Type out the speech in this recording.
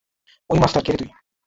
ওই মাস্টার- কে রে তুই?